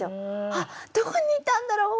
あっどこにいたんだろう